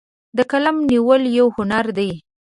د قلم نیول یو هنر دی.